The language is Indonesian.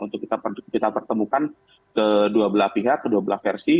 untuk kita pertemukan kedua belah pihak kedua belah versi